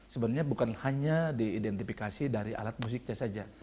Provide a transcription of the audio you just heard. sebenarnya bukan hanya diidentifikasi dari alat musiknya saja